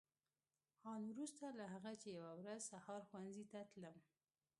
آن وروسته له هغه چې یوه ورځ سهار ښوونځي ته تلم.